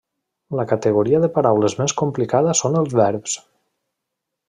La categoria de paraules més complicada són els verbs.